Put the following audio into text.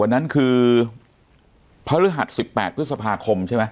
วันนั้นคือพระฤหัส๑๘พฤษภาคมใช่ไหม